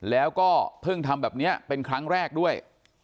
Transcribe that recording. แล้วก็เพิ่งทำแบบนี้เป็นครั้งแรกด้วย